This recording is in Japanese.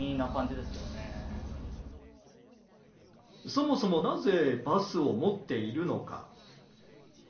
そもそもなぜバスを持っているのか。